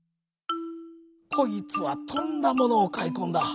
「こいつはとんだものをかいこんだ。